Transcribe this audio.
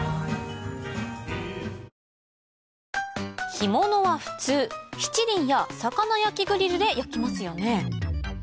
干物は普通しちりんや魚焼きグリルで焼きますよね？